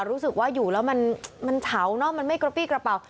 รู้สึกว่าอยู่แล้วมันเฉาเนอะมันไม่กระปี้กระเป๋า